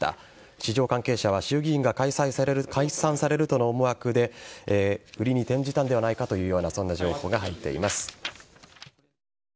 市場関係者は衆議院が解散されるとの思惑で売りに転じたのではないかという情報が入っています。